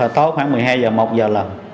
tối khoảng một mươi hai giờ một giờ lần